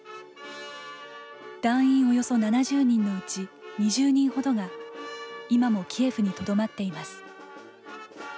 団員およそ７０人のうち２０人ほどが今もキエフに留まっています。